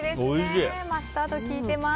マスタード、効いてます。